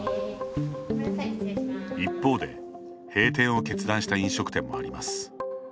一方で閉店を決断した飲食店もあります。